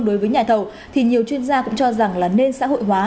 đối với nhà thầu thì nhiều chuyên gia cũng cho rằng là nên xã hội hóa